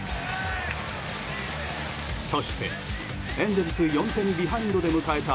そして、エンゼルス４点ビハインドで迎えた